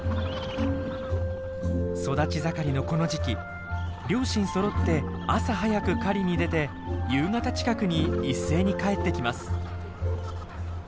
育ち盛りのこの時期両親そろって朝早く狩りに出て夕方近くに一斉に帰ってきます。